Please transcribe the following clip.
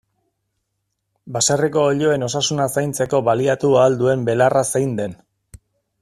Baserriko oiloen osasuna zaintzeko baliatu ahal duen belarra zein den.